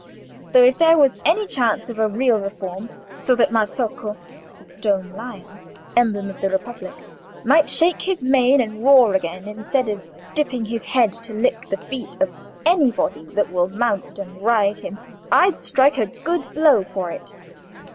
Though if there was any chance of a real reform, so that Marzocco (the stone Lion, emblem of the Republic) might shake his mane and roar again, instead of dipping his head to lick the feet of anybody that will mount and ride him, I'd strike a good blow for it."